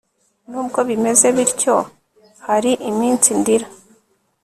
nubwo bimeze bityo, hari iminsi ndira